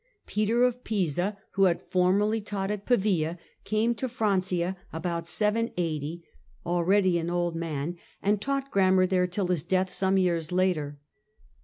Peter of Pisa, who had formerly taught at Pavia, came to Francia about 780, already an old man, and taught grammar there till his death some years later.